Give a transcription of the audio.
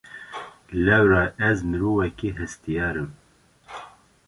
Lewra ez mirovekî hestiyar im.